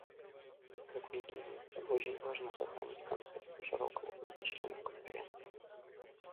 Как мне думается, очень важно сохранить концепцию широкого круга членов Конференции.